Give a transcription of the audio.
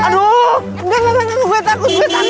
aduh engga engga engga gue takut gue takut